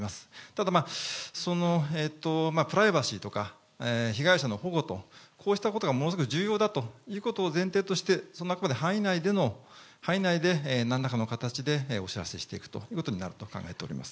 ただまあ、プライバシーとか被害者の保護とか、こうしたことがものすごい重要だということを前提として、その中の範囲内でなんらかの形で、お知らせしていくことになると考えております。